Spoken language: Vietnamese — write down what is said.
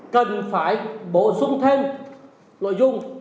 cần phải bổ sung thêm nội dung